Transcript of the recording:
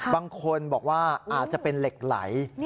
บางคนบอกว่าอาจจะเป็นเหล็กไหล